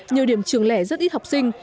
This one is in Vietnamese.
nhiều điểm trường lẻ rất ít học sinh